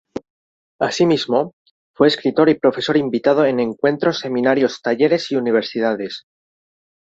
Asimismo, fue escritor y profesor invitado en encuentros, seminarios, talleres y universidades.